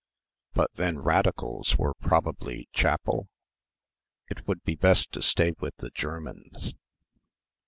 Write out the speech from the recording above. But then Radicals were probably chapel? It would be best to stay with the Germans.